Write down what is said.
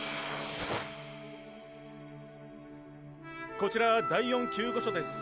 こちら第４救護所です。